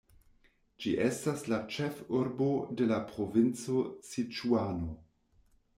Ĝi estas la ĉef-urbo de la provinco Siĉuano.